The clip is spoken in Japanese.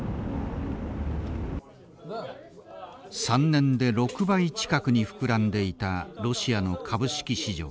３年で６倍近くに膨らんでいたロシアの株式市場。